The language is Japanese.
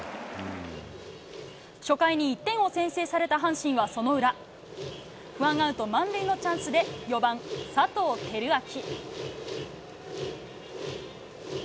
初回に１点を先制された阪神はその裏、ワンアウト満塁のチャンスで、４番佐藤輝明。